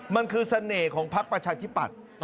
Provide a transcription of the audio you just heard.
มันคือเสน่ห์ของพักประชาธิปัตย์